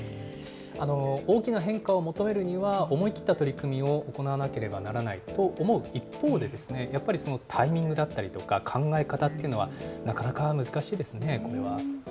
大きな変化を求めるには、思い切った取り組みを行わなければならないと思う一方で、やっぱりタイミングだったりとか、考え方っていうのは、なかなか難しいですね、これは。